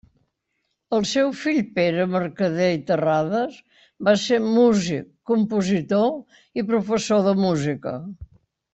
El seu fill Pere Mercader i Terrades va ser músic, compositor i professor de música.